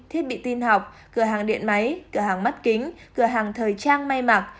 thiết bị tin học cửa hàng điện máy cửa hàng mắt kính cửa hàng thời trang may mặc